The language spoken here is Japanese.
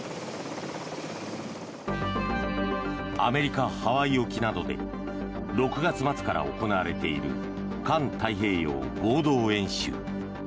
アメリカ・ハワイ沖などで６月末から行われている環太平洋合同演習。